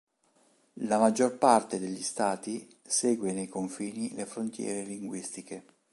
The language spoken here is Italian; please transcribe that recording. La maggior parte degli stati segue nei confini le frontiere linguistiche.